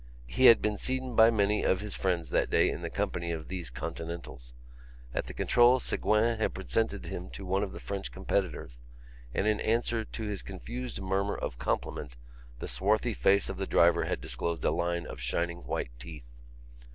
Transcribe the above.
He had been seen by many of his friends that day in the company of these Continentals. At the control Ségouin had presented him to one of the French competitors and, in answer to his confused murmur of compliment, the swarthy face of the driver had disclosed a line of shining white teeth.